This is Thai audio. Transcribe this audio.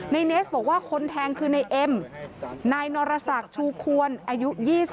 เนสบอกว่าคนแทงคือนายเอ็มนายนรศักดิ์ชูควรอายุ๒๓